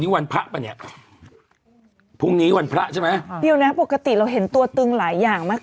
วันพระป่ะเนี่ยพรุ่งนี้วันพระใช่ไหมพระเดียวนะปกติเราเห็นตัวตึงหลายอย่างมาก